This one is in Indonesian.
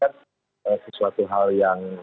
itu suatu hal yang